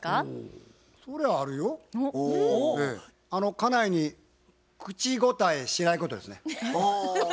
家内に口答えしないことですね。